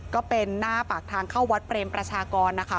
ก็เป็นหน้าปากทางเข้าวัดเปรมประชากรนะคะ